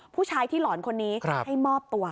ผู้ชายที่หลอนคนนี้ให้มอบตัว